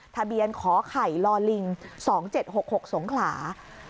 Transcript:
ทะเบียนขอไข่ลอลิง๒๗๖๖สงขลา